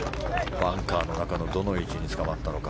バンカーの中のどの位置につかまったのか。